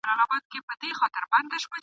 د ژبي اعتبار د قوم اعتبار دی !.